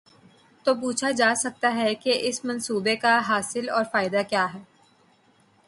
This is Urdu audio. تو پوچھا جا سکتا ہے کہ اس منصوبے کاحاصل اور فائدہ کیا ہے؟